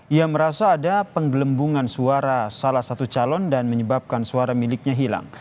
ia merasa ada penggelembungan suara salah satu calon dan menyebabkan suara miliknya hilang